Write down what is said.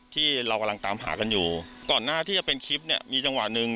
ที่เรากำลังตามหากันอยู่ก่อนหน้าที่จะเป็นคลิปเนี่ยมีจังหวะหนึ่ง